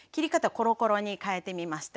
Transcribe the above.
コロコロに変えてみました。